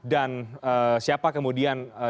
dan siapa kemudian